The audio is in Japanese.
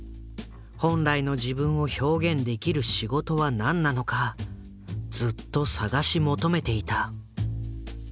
本来の自分を表現できる仕事は何なのかずっと探し求めていた。